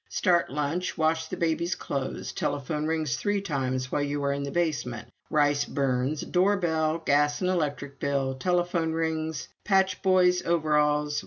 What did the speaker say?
Start lunch. Wash the baby's clothes. Telephone rings three times while you are in the basement. Rice burns. Door bell gas and electric bill. Telephone rings. Patch boys' overalls.